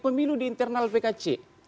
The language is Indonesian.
pemilu di internal pkc